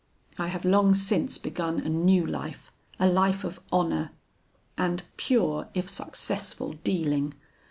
I have long since begun a new life; a life of honor, and pure, if successful, dealing.